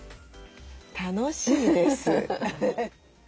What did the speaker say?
楽しいです。